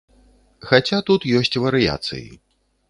Хаця тут ёсць варыяцыі.